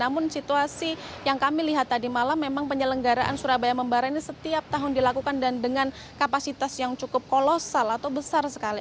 namun situasi yang kami lihat tadi malam memang penyelenggaraan surabaya membara ini setiap tahun dilakukan dan dengan kapasitas yang cukup kolosal atau besar sekali